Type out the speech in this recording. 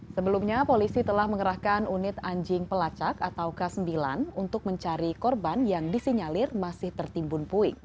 sebelumnya polisi telah mengerahkan unit anjing pelacak atau k sembilan untuk mencari korban yang disinyalir masih tertimbun puing